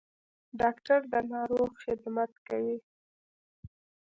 ډاکټر د ناروغ خدمت کوي